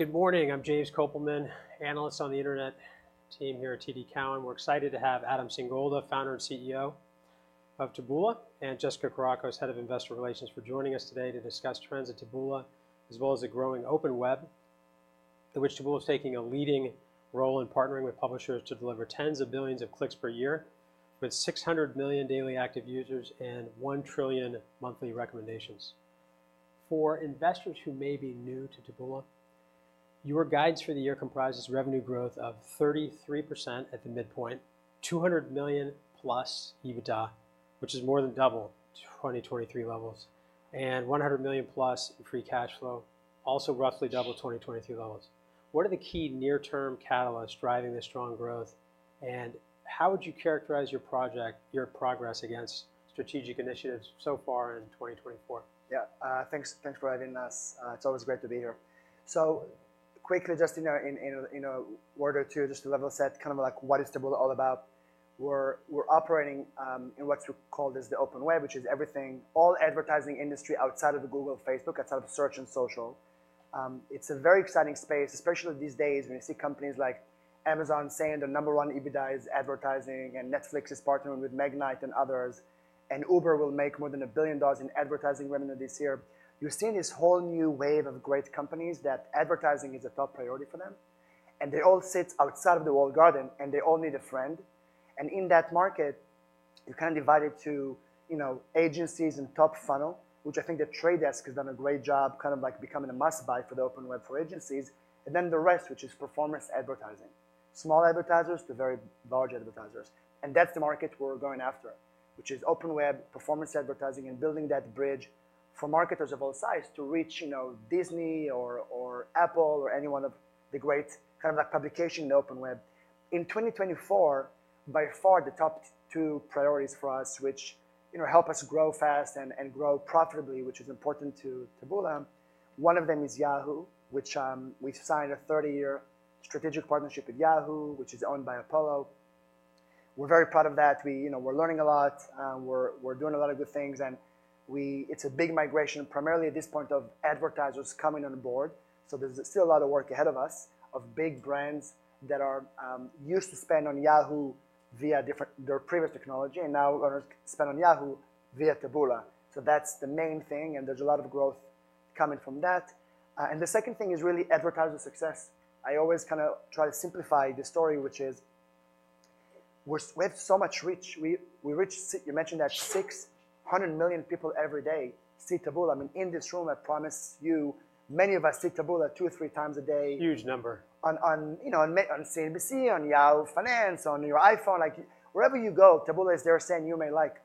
Good morning. I'm James Kopelman, analyst on the internet team here at TD Cowen. We're excited to have Adam Singolda, founder and CEO of Taboola, and Jessica Carrasco, head of Investor Relations, for joining us today to discuss trends at Taboola, as well as the growing Open Web, in which Taboola is taking a leading role in partnering with publishers to deliver tens of billions of clicks per year, with 600 million daily active users and 1 trillion monthly recommendations. For investors who may be new to Taboola, your guides for the year comprises revenue growth of 33% at the midpoint, $200 million+ EBITDA, which is more than double 2023 levels, and $100 million+ in free cash flow, also roughly double 2023 levels. What are the key near-term catalysts driving this strong growth, and how would you characterize your progress against strategic initiatives so far in 2024? Yeah. Thanks, thanks for having us. It's always great to be here. So quickly, just, you know, in a word or two, just to level set, kind of like, what is Taboola all about? We're operating in what's called as the open web, which is everything, all advertising industry outside of Google, Facebook, outside of search and social. It's a very exciting space, especially these days, when you see companies like Amazon saying their number one EBITDA is advertising, and Netflix is partnering with Magnite and others, and Uber will make more than $1 billion in advertising revenue this year. You're seeing this whole new wave of great companies that advertising is a top priority for them, and they all sit outside of the walled garden, and they all need a friend. In that market, you can divide it to, you know, agencies and top funnel, which I think The Trade Desk has done a great job, kind of like becoming a must-buy for the open web for agencies, and then the rest, which is performance advertising, small advertisers to very large advertisers. That's the market we're going after, which is open web, performance advertising, and building that bridge for marketers of all sides to reach, you know, Disney or, or Apple or any one of the great kind of like publication in the open web. In 2024, by far, the top two priorities for us, which, you know, help us grow fast and, and grow profitably, which is important to Taboola. One of them is Yahoo!, which, we signed a 30-year strategic partnership with Yahoo!, which is owned by Apollo. We're very proud of that. We, you know, we're learning a lot. We're doing a lot of good things, and it's a big migration, primarily at this point, of advertisers coming on board. So there's still a lot of work ahead of us, of big brands that are used to spend on Yahoo! via different, their previous technology, and now are going to spend on Yahoo! via Taboola. So that's the main thing, and there's a lot of growth coming from that. And the second thing is really advertiser success. I always kinda try to simplify the story, which is, we have so much reach. We reach—you mentioned that 600 million people every day see Taboola. I mean, in this room, I promise you, many of us see Taboola two or three times a day. Huge number. On CNBC, on Yahoo! Finance, on your iPhone. Like, wherever you go, Taboola is there saying, "You may like..."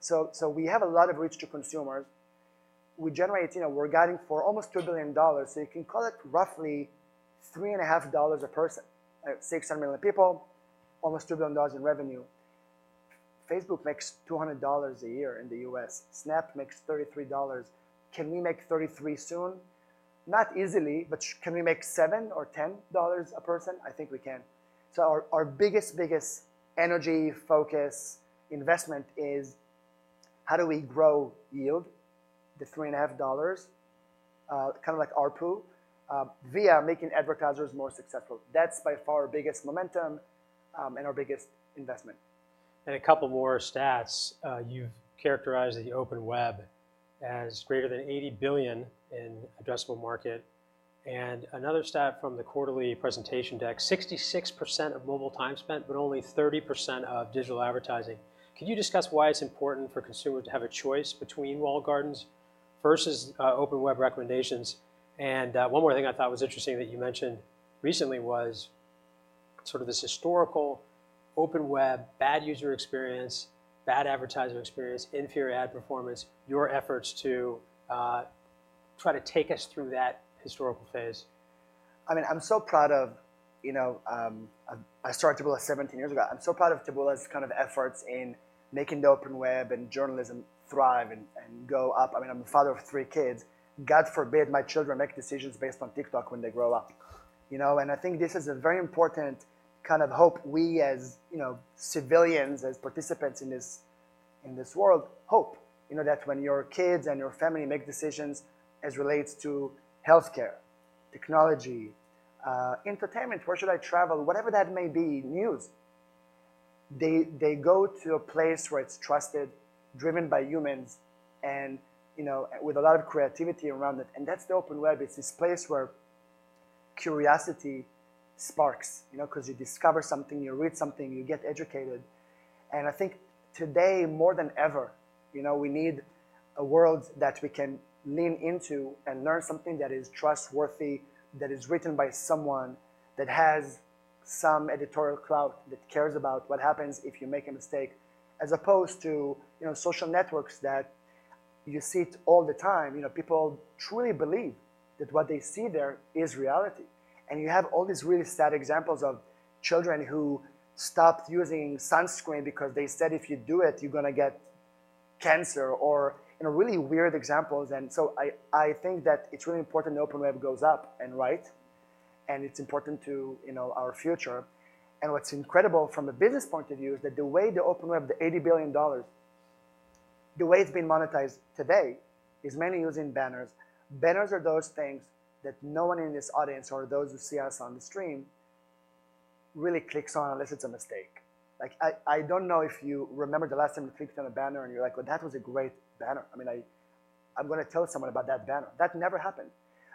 So we have a lot of reach to consumers. We generate, you know, we're guiding for almost $2 billion, so you can call it roughly $3.5 a person. At 600 million people, almost $2 billion in revenue. Facebook makes $200 a year in the US. Snap makes $33. Can we make $33 soon? Not easily, but can we make $7 or $10 a person? I think we can. So our biggest energy, focus, investment is, how do we grow yield, the $3.5, kind of like ARPU, via making advertisers more successful? That's by far our biggest momentum, and our biggest investment. And a couple more stats. You've characterized the open web as greater than $80 billion addressable market, and another stat from the quarterly presentation deck, 66% of mobile time spent, but only 30% of digital advertising. Can you discuss why it's important for consumers to have a choice between walled gardens versus open web recommendations? And one more thing I thought was interesting that you mentioned recently was sort of this historical open web, bad user experience, bad advertiser experience, inferior ad performance, your efforts to try to take us through that historical phase. I mean, I'm so proud of, you know, I started Taboola 17 years ago. I'm so proud of Taboola's kind of efforts in making the open web and journalism thrive and go up. I mean, I'm a father of three kids. God forbid, my children make decisions based on TikTok when they grow up. You know, and I think this is a very important kind of hope. We, as, you know, civilians, as participants in this, in this world, hope, you know, that when your kids and your family make decisions as relates to healthcare, technology, entertainment, where should I travel? Whatever that may be, news, they go to a place where it's trusted, driven by humans, and, you know, with a lot of creativity around it. And that's the open web. It's this place where curiosity sparks, you know, because you discover something, you read something, you get educated. And I think today, more than ever, you know, we need a world that we can lean into and learn something that is trustworthy, that is written by someone that has some editorial clout, that cares about what happens if you make a mistake, as opposed to, you know, social networks that you see it all the time. You know, people truly believe that what they see there is reality. And you have all these really sad examples of children who stopped using sunscreen because they said, "If you do it, you're gonna get cancer," or, you know, really weird examples. And so I, I think that it's really important the open web goes up and right, and it's important to, you know, our future. What's incredible from a business point of view is that the way the open web, the $80 billion dollars—the way it's been monetized today is mainly using banners. Banners are those things that no one in this audience or those who see us on the stream really clicks on unless it's a mistake. Like, I, I don't know if you remember the last time you clicked on a banner, and you're like, "Well, that was a great banner. I mean, I, I'm gonna tell someone about that banner." That never happened.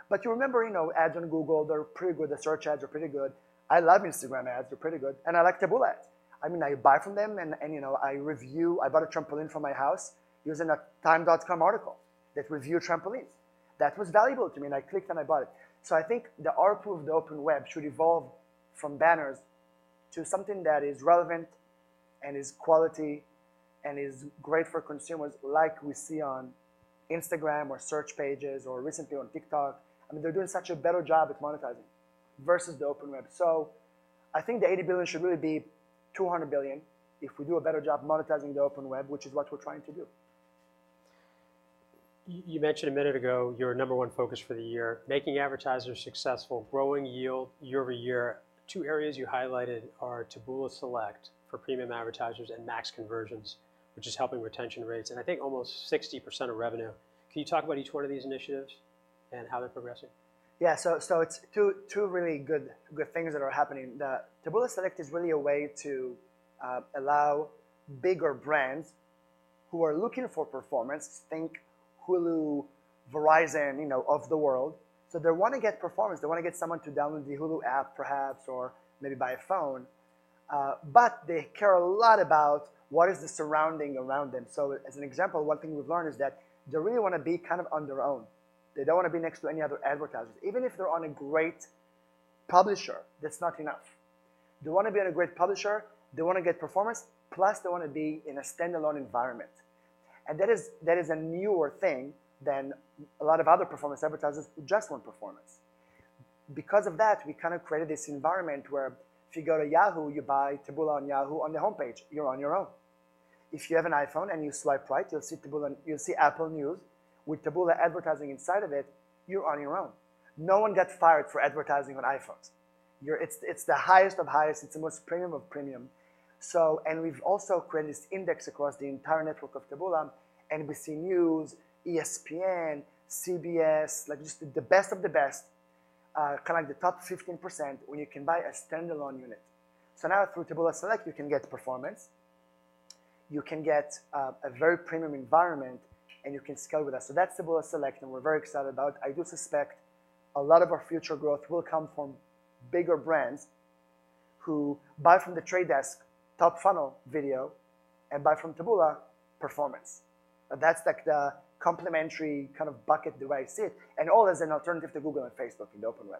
But you remember, you know, ads on Google, they're pretty good. The search ads are pretty good. I love Instagram ads, they're pretty good, and I like Taboola ads. I mean, I buy from them, and, and, you know, I review... I bought a trampoline for my house using a TIME.com article that reviewed trampolines. That was valuable to me, and I clicked, and I bought it. So I think the ARPU of the open web should evolve from banners to something that is relevant and is quality and is great for consumers, like we see on Instagram or search pages or recently on TikTok. I mean, they're doing such a better job at monetizing versus the open web. So I think the $80 billion should really be $200 billion if we do a better job monetizing the open web, which is what we're trying to do. You mentioned a minute ago your number one focus for the year, making advertisers successful, growing yield year-over-year. Two areas you highlighted are Taboola Select for premium advertisers and max conversions, which is helping retention rates, and I think almost 60% of revenue. Can you talk about each one of these initiatives and how they're progressing? Yeah. So it's two really good things that are happening. The Taboola Select is really a way to allow bigger brands who are looking for performance, think Hulu, Verizon, you know, of the world. So they wanna get performance, they wanna get someone to download the Hulu app perhaps, or maybe buy a phone, but they care a lot about what is the surrounding around them. So as an example, one thing we've learned is that they really wanna be kind of on their own. They don't wanna be next to any other advertisers. Even if they're on a great publisher, that's not enough. They wanna be on a great publisher, they wanna get performance, plus they wanna be in a standalone environment. And that is a newer thing than a lot of other performance advertisers just want performance. Because of that, we kind of created this environment where if you go to Yahoo, you buy Taboola on Yahoo on their homepage, you're on your own. If you have an iPhone and you swipe right, you'll see Taboola, and you'll see Apple News with Taboola advertising inside of it, you're on your own. No one gets fired for advertising on iPhones. You're. It's, it's the highest of highest, it's the most premium of premium. So, and we've also created this index across the entire network of Taboola, NBC News, ESPN, CBS, like just the best of the best, kind of like the top 15% when you can buy a standalone unit. So now through Taboola Select, you can get performance, you can get a very premium environment, and you can scale with us. So that's Taboola Select, and we're very excited about it. I do suspect a lot of our future growth will come from bigger brands who buy from The Trade Desk, top-of-funnel video, and buy from Taboola performance. That's like the complementary kind of bucket the way I see it, and all as an alternative to Google and Facebook in the Open Web.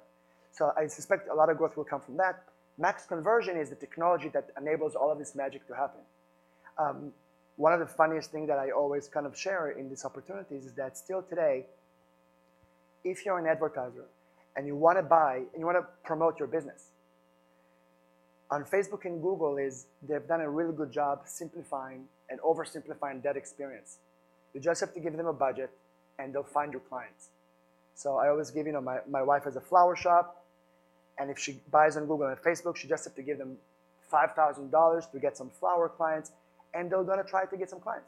So I suspect a lot of growth will come from that. Max conversion is the technology that enables all of this magic to happen. One of the funniest thing that I always kind of share in these opportunities is that still today, if you're an advertiser and you wanna buy, and you wanna promote your business, on Facebook and Google, it's that they've done a really good job simplifying and oversimplifying that experience. You just have to give them a budget, and they'll find your clients. So I always give, you know, my, my wife has a flower shop, and if she buys on Google and Facebook, she just have to give them $5,000 to get some flower clients, and they're gonna try to get some clients.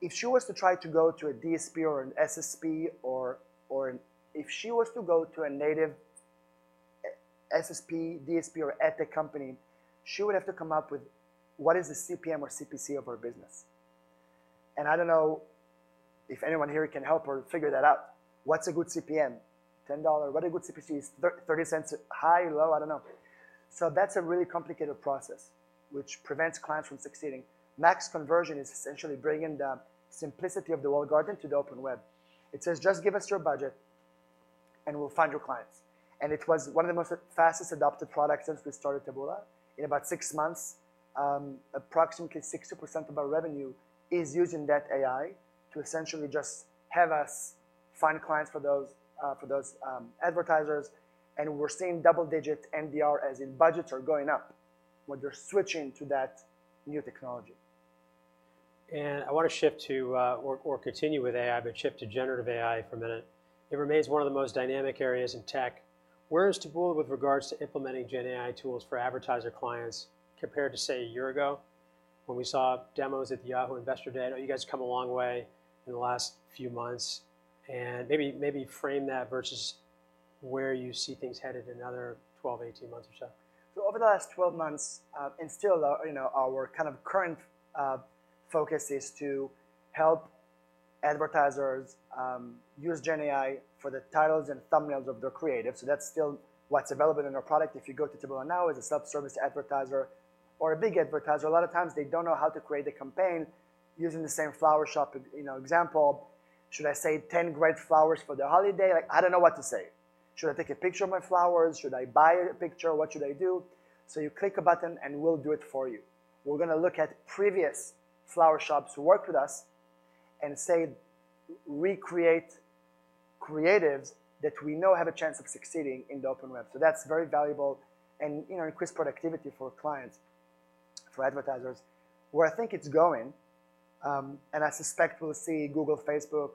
If she was to try to go to a DSP or an SSP or, or if she was to go to a native SSP, DSP, or ad tech company, she would have to come up with what is the CPM or CPC of her business. And I don't know if anyone here can help her figure that out. What's a good CPM? $10. What a good CPC is, $0.30, high, low, I don't know. So that's a really complicated process which prevents clients from succeeding. Maximize Conversions is essentially bringing the simplicity of the walled garden to the open web. It says, "Just give us your budget, and we'll find your clients." It was one of the most fastest adopted products since we started Taboola. In about six months, approximately 60% of our revenue is using that AI to essentially just have us find clients for those advertisers, and we're seeing double-digit NDR, as in budgets are going up when they're switching to that new technology. And I wanna shift to, or continue with AI, but shift to generative AI for a minute. It remains one of the most dynamic areas in tech. Where is Taboola with regards to implementing gen AI tools for advertiser clients, compared to, say, a year ago when we saw demos at the Yahoo Investor Day? I know you guys have come a long way in the last few months, and maybe frame that versus where you see things headed in another 12, 18 months or so. So over the last 12 months, and still, you know, our kind of current focus is to help advertisers use GenAI for the titles and thumbnails of their creatives. So that's still what's available in our product. If you go to Taboola now as a self-service advertiser or a big advertiser, a lot of times they don't know how to create a campaign using the same flower shop, you know, example. Should I say 10 great flowers for the holiday? Like, I don't know what to say. Should I take a picture of my flowers? Should I buy a picture? What should I do? So you click a button, and we'll do it for you. We're gonna look at previous flower shops who worked with us and say, recreate creatives that we know have a chance of succeeding in the Open Web. So that's very valuable and, you know, increased productivity for clients, for advertisers. Where I think it's going, and I suspect we'll see Google, Facebook,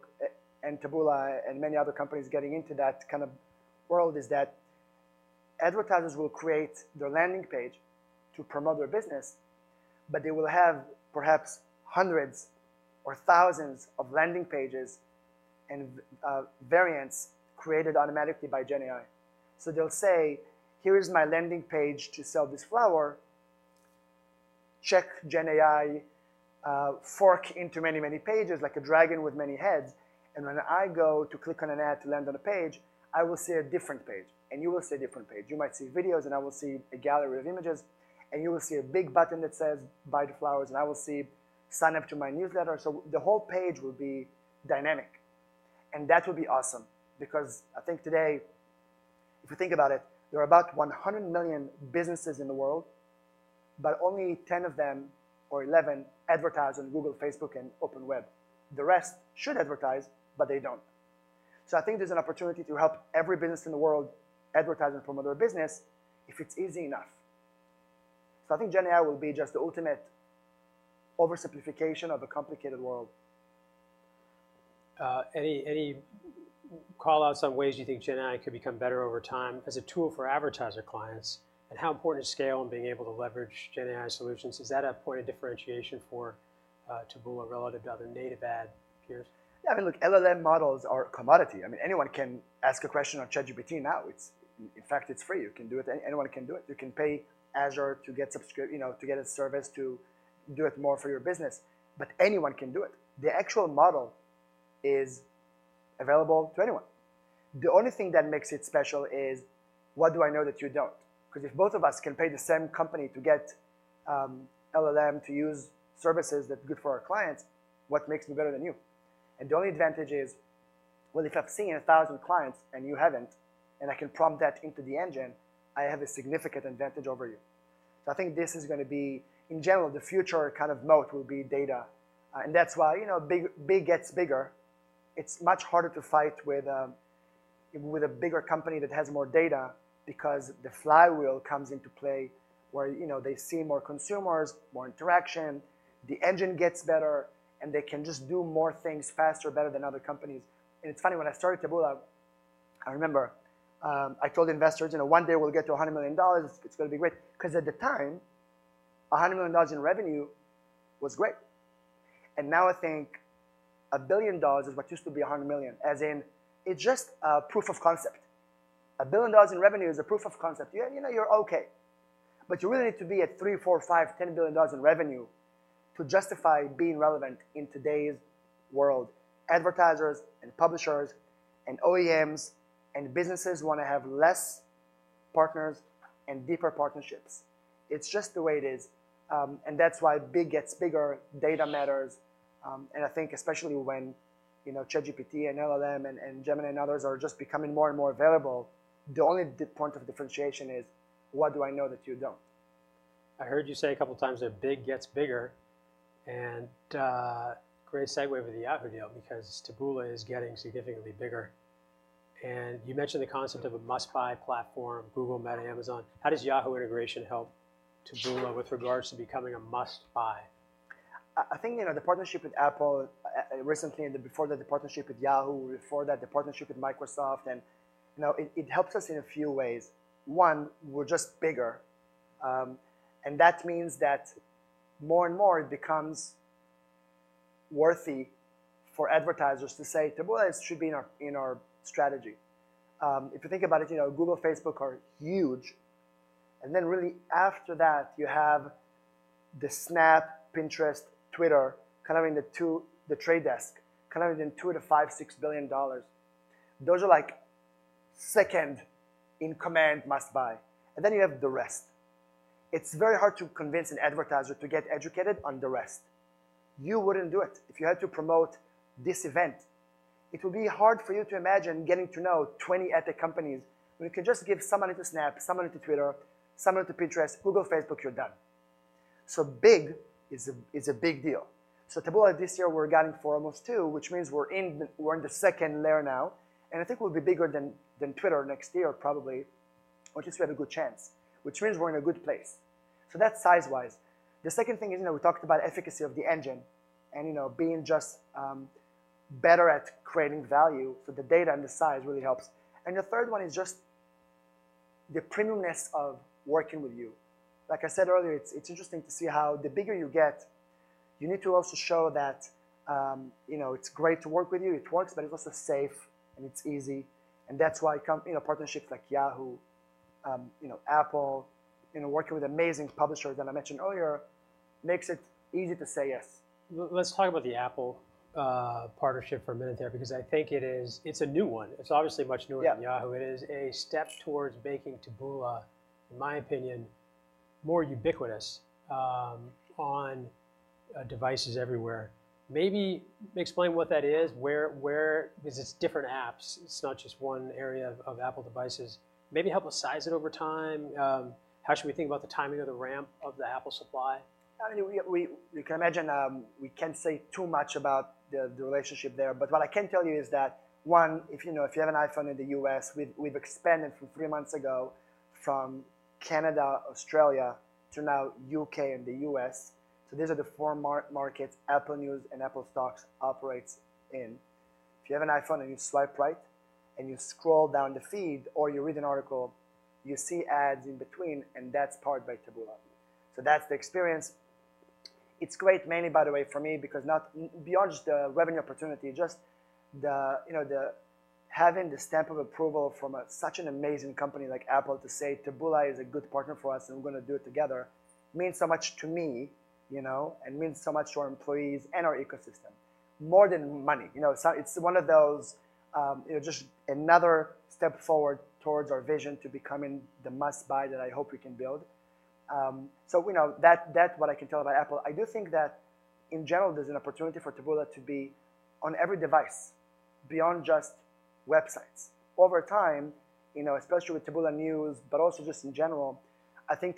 and Taboola and many other companies getting into that kind of world, is that advertisers will create their landing page to promote their business, but they will have perhaps hundreds or thousands of landing pages and, variants created automatically by GenAI. So they'll say, "Here is my landing page to sell this flower." Check, GenAI, fork into many, many pages like a dragon with many heads. And when I go to click on an ad to land on a page, I will see a different page, and you will see a different page. You might see videos, and I will see a gallery of images, and you will see a big button that says, "Buy the flowers," and I will see, "Sign up to my newsletter." So the whole page will be dynamic, and that will be awesome because I think today, if you think about it, there are about 100 million businesses in the world, but only 10 of them or 11 advertise on Google, Facebook, and open web. The rest should advertise, but they don't. So I think there's an opportunity to help every business in the world advertise and promote their business if it's easy enough. So I think GenAI will be just the ultimate oversimplification of a complicated world. Any call outs on ways you think GenAI could become better over time as a tool for advertiser clients, and how important is scale in being able to leverage GenAI solutions? Is that a point of differentiation for Taboola relative to other native ad peers? Yeah, I mean, look, LLM models are a commodity. I mean, anyone can ask a question on ChatGPT now. It's - in fact, it's free. You can do it. Anyone can do it. You can pay Azure to get subscript, you know, to get a service to do it more for your business, but anyone can do it. The actual model is available to anyone. The only thing that makes it special is, what do I know that you don't? 'Cause if both of us can pay the same company to get, LLM to use services that's good for our clients, what makes me better than you? And the only advantage is, well, if I've seen a thousand clients and you haven't, and I can prompt that into the engine, I have a significant advantage over you. So I think this is gonna be, in general, the future kind of moat will be data. And that's why, you know, big, big gets bigger. It's much harder to fight with, with a bigger company that has more data because the flywheel comes into play, where, you know, they see more consumers, more interaction, the engine gets better, and they can just do more things faster, better than other companies. And it's funny, when I started Taboola, I remember, I told investors, "You know, one day we'll get to $100 million. It's gonna be great." 'Cause at the time, $100 million in revenue was great. And now I think $1 billion is what used to be $100 million, as in it's just a proof of concept. $1 billion in revenue is a proof of concept. You know, you're okay, but you really need to be at $3 billion, $4 billion, $5 billion, $10 billion in revenue to justify being relevant in today's world. Advertisers and publishers and OEMs and businesses wanna have less partners and deeper partnerships. It's just the way it is. And that's why big gets bigger, data matters, and I think especially when, you know, ChatGPT and LLM and Gemini and others are just becoming more and more available, the only point of differentiation is, what do I know that you don't? I heard you say a couple of times that big gets bigger, and great segue with the Apple deal because Taboola is getting significantly bigger. You mentioned the concept of a must-buy platform, Google, Meta, Amazon. How does Yahoo integration help Taboola with regards to becoming a must-buy? I think, you know, the partnership with Apple recently, and before that, the partnership with Yahoo, before that, the partnership with Microsoft, and, you know, it helps us in a few ways. One, we're just bigger, and that means that more and more it becomes worthy for advertisers to say, "Taboola should be in our, in our strategy." If you think about it, you know, Google, Facebook are huge, and then really after that, you have the Snap, Pinterest, Twitter, kind of in the $2-$5.6 billion. The Trade Desk, kind of in $2-$5.6 billion. Those are like second in command, must buy, and then you have the rest. It's very hard to convince an advertiser to get educated on the rest. You wouldn't do it if you had to promote this event. It would be hard for you to imagine getting to know 20 ad tech companies when you can just give somebody to Snap, somebody to Twitter, somebody to Pinterest, Google, Facebook; you're done. So big is a big deal. So Taboola, this year, we're getting to almost two, which means we're in the second layer now, and I think we'll be bigger than Twitter next year, probably, or at least we have a good chance, which means we're in a good place. So that's size-wise. The second thing is, you know, we talked about efficacy of the engine and, you know, being just better at creating value for the data and the size really helps. And the third one is just the premium-ness of working with you. Like I said earlier, it's interesting to see how the bigger you get, you need to also show that, you know, it's great to work with you, it works, but it's also safe and it's easy. And that's why company, you know, partnerships like Yahoo, you know, Apple, you know, working with amazing publishers that I mentioned earlier, makes it easy to say yes. Let's talk about the Apple partnership for a minute there, because I think it is... It's a new one. It's obviously much newer- Yeah... than Yahoo. It is a step towards making Taboola, in my opinion, more ubiquitous, on, devices everywhere. Maybe explain what that is, where, because it's different apps, it's not just one area of Apple devices. Maybe help us size it over time. How should we think about the timing of the ramp of the Apple supply? I mean, we, you can imagine, we can't say too much about the relationship there, but what I can tell you is that, one, if you know, if you have an iPhone in the U.S., we've expanded from three months ago from Canada, Australia, to now U.K. and the U.S., so these are the four markets Apple News and Apple Stocks operates in. If you have an iPhone and you swipe right, and you scroll down the feed or you read an article, you see ads in between, and that's powered by Taboola. So that's the experience. It's great, mainly, by the way, for me, because not beyond just the revenue opportunity, just the, you know, having the stamp of approval from a such an amazing company like Apple to say, "Taboola is a good partner for us, and we're gonna do it together," means so much to me, you know, and means so much to our employees and our ecosystem. More than money. You know, so it's one of those, you know, just another step forward towards our vision to becoming the must-buy that I hope we can build. So we know, that, that's what I can tell about Apple. I do think that in general, there's an opportunity for Taboola to be on every device, beyond just websites. Over time, you know, especially with Taboola News, but also just in general, I think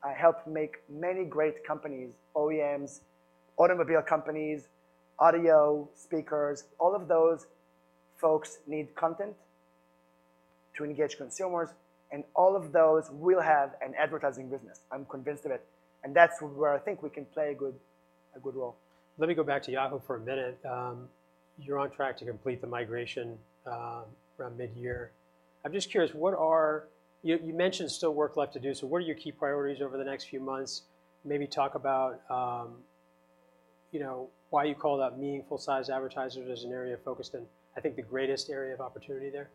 Taboola can help make many great companies, OEMs, automobile companies, audio speakers, all of those folks need content to engage consumers, and all of those will have an advertising business. I'm convinced of it, and that's where I think we can play a good, a good role. Let me go back to Yahoo for a minute. You're on track to complete the migration around mid-year. I'm just curious. You mentioned still work left to do, so what are your key priorities over the next few months? Maybe talk about, you know, why you call that meaningful-sized advertisers as an area of focus and I think the greatest area of opportunity there.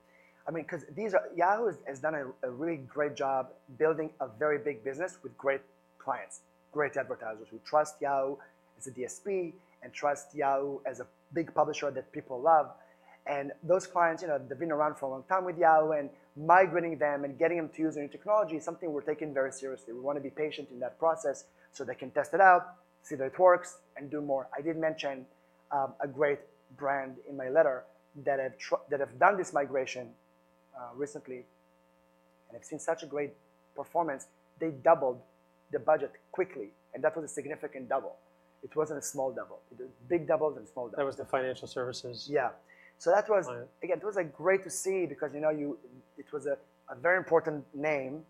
I mean, 'cause these are—Yahoo has done a really great job building a very big business with great clients, great advertisers who trust Yahoo as a DSP and trust Yahoo as a big publisher that people love. And those clients, you know, they've been around for a long time with Yahoo, and migrating them and getting them to use our new technology is something we're taking very seriously. We want to be patient in that process so they can test it out, see that it works, and do more. I did mention a great brand in my letter that have done this migration recently and have seen such a great performance. They doubled the budget quickly, and that was a significant double. It wasn't a small double. It was big doubles and small doubles. That was the financial services? Yeah. So that was- Got it. Again, it was, like, great to see because, you know, you it was a very important name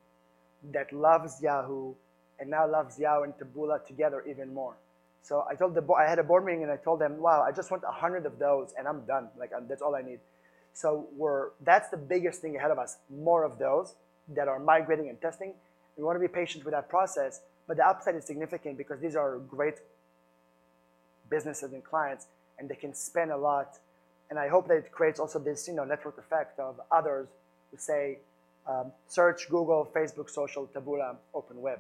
that loves Yahoo and now loves Yahoo and Taboola together even more. So I told the board. I had a board meeting, and I told them, "Wow, I just want 100 of those, and I'm done. Like, that's all I need." So that's the biggest thing ahead of us, more of those that are migrating and testing. We want to be patient with that process, but the upside is significant because these are great businesses and clients, and they can spend a lot, and I hope that it creates also this, you know, network effect of others who say, search Google, Facebook, social, Taboola, open web.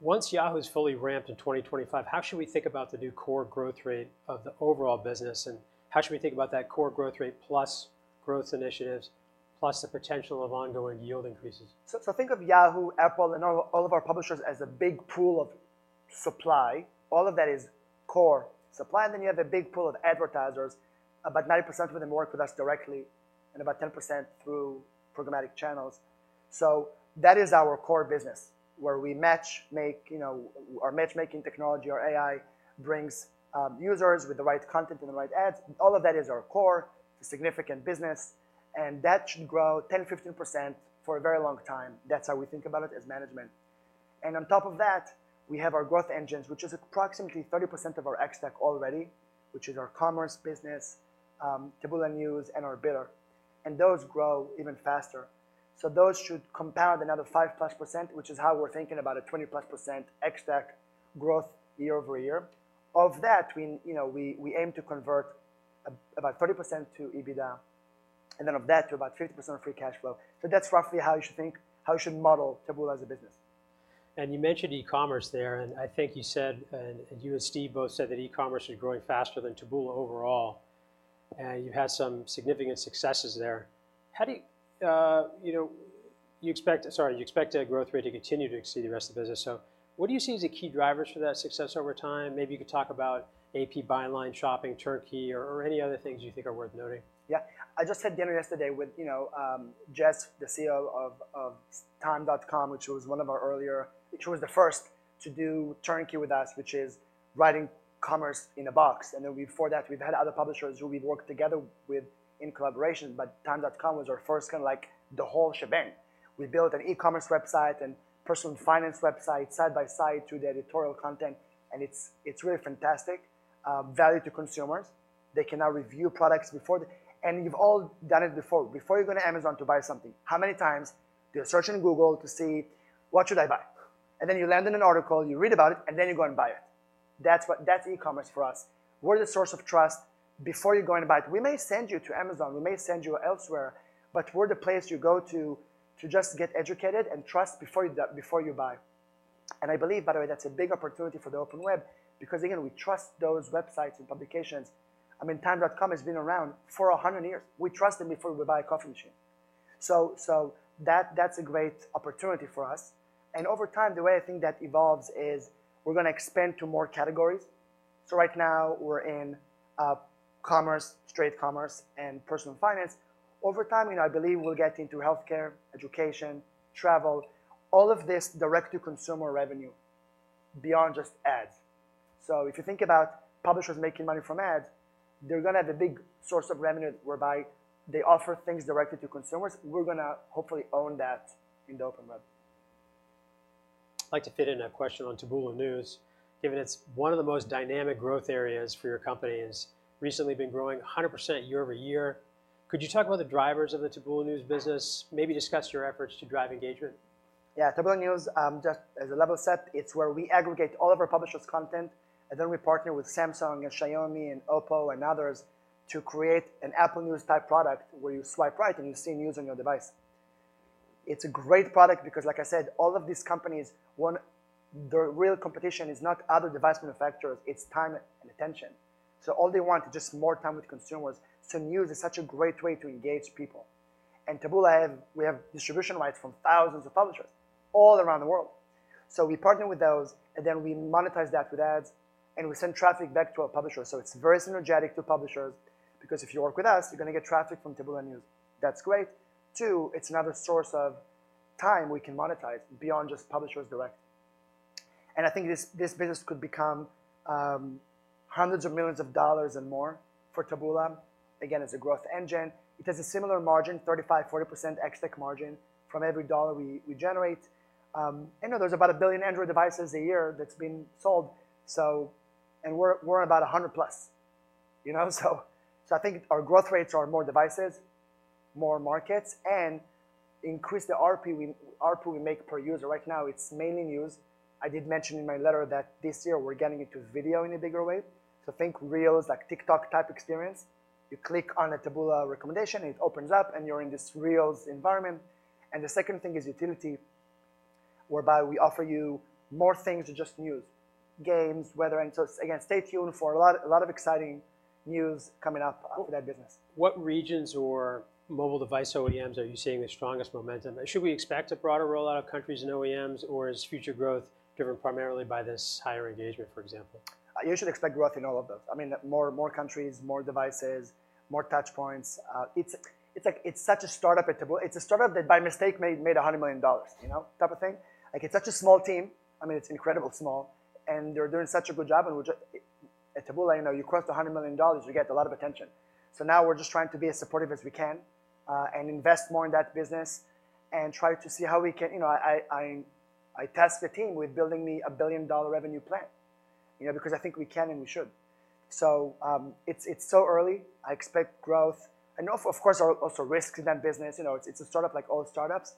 Once Yahoo is fully ramped in 2025, how should we think about the new core growth rate of the overall business, and how should we think about that core growth rate plus growth initiatives, plus the potential of ongoing yield increases? So, think of Yahoo, Apple, and all of our publishers as a big pool of supply. All of that is core supply, and then you have a big pool of advertisers. About 90% of them work with us directly and about 10% through programmatic channels. So that is our core business, where we match, make, you know, our matchmaking technology, our AI, brings users with the right content and the right ads. All of that is our core, significant business, and that should grow 10%-15% for a very long time. That's how we think about it as management. And on top of that, we have our growth engines, which is approximately 30% of our ex-TAC already, which is our commerce business, Taboola News, and our bidder. And those grow even faster. So those should compound another 5%+, which is how we're thinking about a 20%+ ex-TAC growth year-over-year. Of that, we, you know, aim to convert about 30% to EBITDA, and then of that, to about 50% of free cash flow. So that's roughly how you should think, how you should model Taboola as a business. And you mentioned e-commerce there, and I think you said, and, and you and Steve both said that e-commerce is growing faster than Taboola overall, and you've had some significant successes there. How do you, you know, you expect... Sorry, you expect that growth rate to continue to exceed the rest of the business. So what do you see as the key drivers for that success over time? Maybe you could talk about AP Buyline shopping, turnkey, or, or any other things you think are worth noting. Yeah. I just had dinner yesterday with, you know, Jess, the CEO of Time.com, which was the first to do turnkey with us, which is writing commerce in a box. And then before that, we've had other publishers who we've worked together with in collaboration, but Time.com was our first, kinda like the whole shebang. We built an e-commerce website and personal finance website side by side to the editorial content, and it's really fantastic value to consumers. They can now review products before they... And you've all done it before. Before you go to Amazon to buy something, how many times do you search on Google to see what should I buy? And then you land in an article, you read about it, and then you go and buy it. That's e-commerce for us. We're the source of trust before you go in and buy it. We may send you to Amazon, we may send you elsewhere, but we're the place you go to, to just get educated and trust before you do, before you buy. And I believe, by the way, that's a big opportunity for the Open Web because again, we trust those websites and publications. I mean, Time.com has been around for 100 years. We trust them before we buy a coffee machine. So, so that, that's a great opportunity for us. And over time, the way I think that evolves is we're gonna expand to more categories. So right now, we're in commerce, straight commerce, and personal finance. Over time, you know, I believe we'll get into healthcare, education, travel, all of this direct-to-consumer revenue beyond just ads. If you think about publishers making money from ads, they're gonna have a big source of revenue whereby they offer things directly to consumers. We're gonna hopefully own that in the open web. I'd like to fit in a question on Taboola News, given it's one of the most dynamic growth areas for your company. It's recently been growing 100% year-over-year. Could you talk about the drivers of the Taboola News business? Maybe discuss your efforts to drive engagement. Yeah, Taboola News, just as a level set, it's where we aggregate all of our publishers' content, and then we partner with Samsung and Xiaomi and OPPO and others to create an Apple News type product, where you swipe right and you see news on your device. It's a great product because, like I said, all of these companies want their real competition is not other device manufacturers, it's time and attention. So all they want is just more time with consumers. So news is such a great way to engage people. And Taboola have, we have distribution rights from thousands of publishers all around the world. So we partner with those, and then we monetize that with ads, and we send traffic back to our publishers. So it's very synergetic to publishers because if you work with us, you're gonna get traffic from Taboola News. That's great. Two, it's another source of time we can monetize beyond just publishers direct. And I think this, this business could become, $hundreds of millions and more for Taboola. Again, it's a growth engine. It has a similar margin, 35%-40% ex-TAC margin from every dollar we, we generate. I know there's about a billion Android devices a year that's been sold, so. And we're, we're about 100+. You know, so, so I think our growth rates are more devices, more markets, and increase the RP we, RP we make per user. Right now, it's mainly news. I did mention in my letter that this year we're getting into video in a bigger way. So think Reels, like TikTok type experience. You click on a Taboola recommendation, it opens up, and you're in this Reels environment. The second thing is utility, whereby we offer you more things than just news, games, weather, and so, again, stay tuned for a lot, a lot of exciting news coming up for that business. What regions or mobile device OEMs are you seeing the strongest momentum? Should we expect a broader rollout of countries and OEMs, or is future growth driven primarily by this higher engagement, for example? You should expect growth in all of those. I mean, more, more countries, more devices, more touch points. It's, it's like, it's such a startup at Taboola. It's a startup that, by mistake, made, made $100 million, you know, type of thing. Like, it's such a small team. I mean, it's incredibly small, and they're doing such a good job, and we just... At Taboola, you know, you cross $100 million, you get a lot of attention. So now we're just trying to be as supportive as we can, and invest more in that business and try to see how we can... You know, I, I, I task the team with building me a billion-dollar revenue plan, you know, because I think we can and we should. So, it's, it's so early. I expect growth and, of course, also risks in that business. You know, it's a startup like all startups,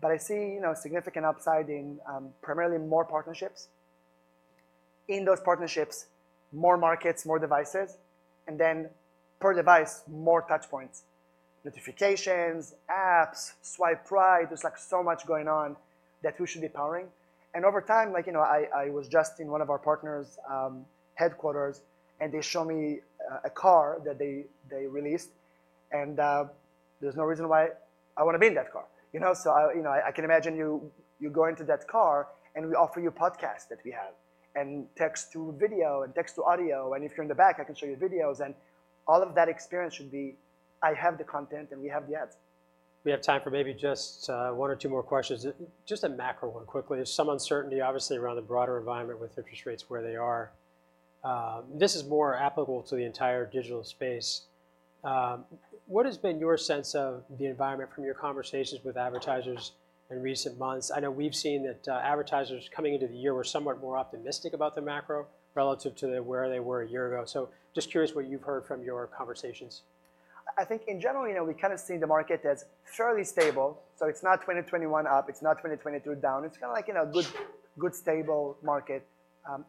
but I see, you know, significant upside in, primarily more partnerships. In those partnerships, more markets, more devices, and then per device, more touch points, notifications, apps, swipe right. There's, like, so much going on that we should be powering. And over time, like, you know, I, I was just in one of our partners', headquarters, and they show me, a car that they, they released, and, there's no reason why I wanna be in that car, you know? So I, you know, I can imagine you, you go into that car, and we offer you a podcast that we have and text to video and text to audio, and if you're in the back, I can show you videos. All of that experience should be, I have the content, and we have the ads. We have time for maybe just, one or two more questions. Just a macro one quickly. There's some uncertainty, obviously, around the broader environment with interest rates where they are. This is more applicable to the entire digital space. What has been your sense of the environment from your conversations with advertisers in recent months? I know we've seen that, advertisers coming into the year were somewhat more optimistic about the macro relative to where they were a year ago. So just curious what you've heard from your conversations. I think in general, you know, we kind of see the market as surely stable. So it's not 2021 up, it's not 2022 down. It's kinda like, you know, good, good, stable market.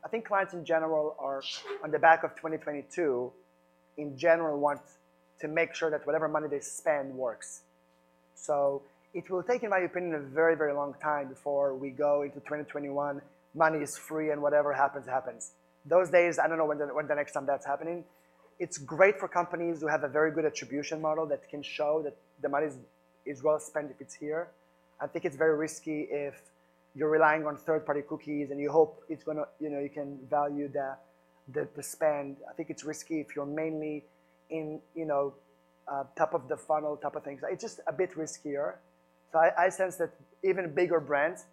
I think clients in general are on the back of 2022, in general, want to make sure that whatever money they spend works. So it will take, in my opinion, a very, very long time before we go into 2021, money is free, and whatever happens, happens. Those days, I don't know when the, when the next time that's happening. It's great for companies who have a very good attribution model that can show that the money is, is well spent if it's here. I think it's very risky if you're relying on third-party cookies and you hope it's gonna, you know, you can value the, the, the spend. I think it's risky if you're mainly in, you know, top-of-funnel type of things. It's just a bit riskier. So I sense that even bigger brands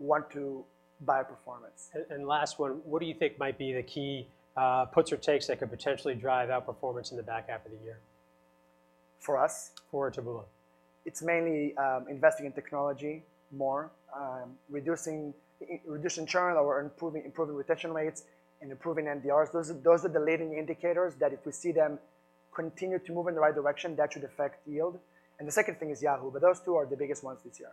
want to buy performance. And last one, what do you think might be the key puts or takes that could potentially drive outperformance in the back half of the year? For us? For Taboola. It's mainly investing in technology more, reducing churn or improving retention rates and improving NDRs. Those are the leading indicators that if we see them continue to move in the right direction, that should affect yield. And the second thing is Yahoo! But those two are the biggest ones this year.